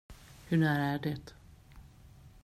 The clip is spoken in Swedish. Hur nära är det?